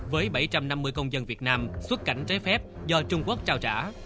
với bảy trăm năm mươi công dân việt nam xuất cảnh trái phép do trung quốc trao trả